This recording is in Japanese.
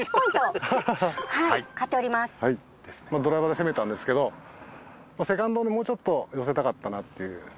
ドライバーで攻めたんですけどセカンドでもうちょっと寄せたかったなっていう。